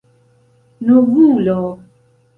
novulo